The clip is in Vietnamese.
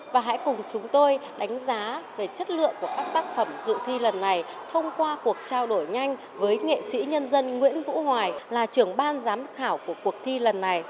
và hãy cùng chúng tôi đánh giá về chất lượng của các tác phẩm dự thi lần này thông qua cuộc trao đổi nhanh với nghệ sĩ nhân dân nguyễn vũ hoài là trưởng ban giám khảo của cuộc thi lần này